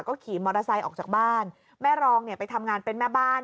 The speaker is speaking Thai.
ก็ขี่มอเตอร์ไซค์ออกจากบ้านแม่รองเนี่ยไปทำงานเป็นแม่บ้าน